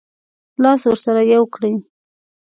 لاس ورسره یو کړي.